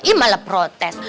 ih malah protes